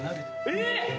えっ？